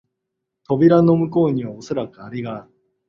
扉の向こうにはおそらくアレがある